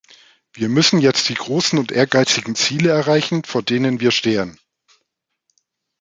Wir müssen jetzt die großen und ehrgeizigen Ziele erreichen, vor denen wir stehen.